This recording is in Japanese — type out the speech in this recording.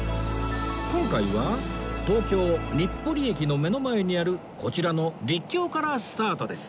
今回は東京日暮里駅の目の前にあるこちらの陸橋からスタートです